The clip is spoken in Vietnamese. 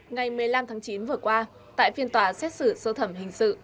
ngày một mươi năm tháng chín vừa qua tại phiên tòa xét xử sơ thẩm hình sự